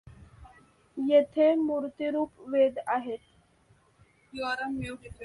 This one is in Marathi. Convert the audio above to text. येथे मूर्तिरूप वेद आहेत.